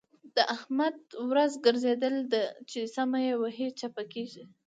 د احمد ورځ ګرځېدل ده؛ چې سمه يې وهي - چپه کېږي.